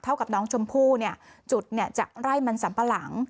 เท่ากับน้องชมพู่เนี่ยจุดเนี่ยจากไล่มันสัมปะหลัง